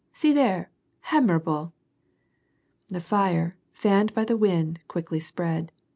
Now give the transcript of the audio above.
see there ! admirable !" The fire, fanned by tlie wind, quickly spread.